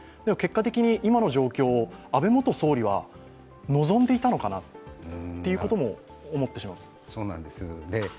でも今の状況を安倍元総理は望んでいたのかなということも思ってしまいます。